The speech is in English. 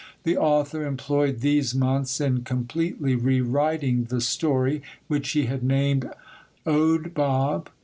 The author employed these months in completely rewriting the story, which he had named Owd Bob.